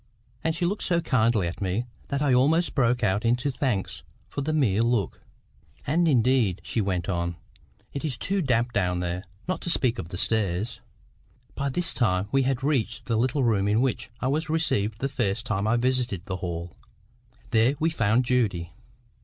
And she looked so kindly at me, that I almost broke out into thanks for the mere look. "And indeed," she went on, "it is too damp down there, not to speak of the stairs." By this time we had reached the little room in which I was received the first time I visited the Hall. There we found Judy.